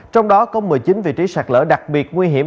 trong đó có một mươi chín vị trí sạt lở đặc biệt nguy hiểm